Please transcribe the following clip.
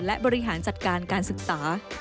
และบริหารจัดการการศึกษา